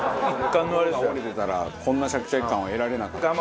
心が折れてたらこんなシャキシャキ感は得られなかった。